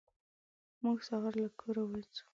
موږ سهار له کوره وځو.